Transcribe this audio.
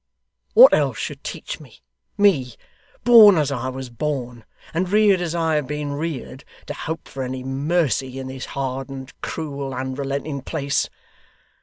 What else should teach me me, born as I was born, and reared as I have been reared to hope for any mercy in this hardened, cruel, unrelenting place!